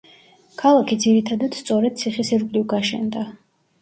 ქალაქი ძირითადად სწორედ ციხის ირგვლივ გაშენდა.